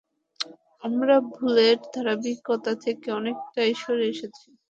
আমরা ভুলের ধারাবাহিকতা থেকে অনেকটাই সরে এসেছি!